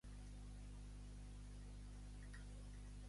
El comboi estava format per més de cent ponis.